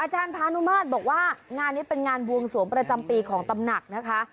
พานุมาตรบอกว่างานนี้เป็นงานบวงสวงประจำปีของตำหนักนะคะ